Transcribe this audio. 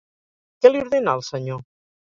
Què li ordena al senyor?